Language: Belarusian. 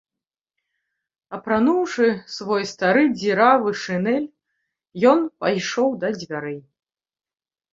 Апрануўшы свой стары дзіравы шынель, ён пайшоў да дзвярэй.